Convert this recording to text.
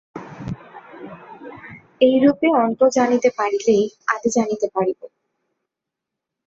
এইরূপে অন্ত জানিতে পারিলেই আদি জানিতে পারিব।